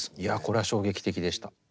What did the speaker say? いやこれは衝撃的でした。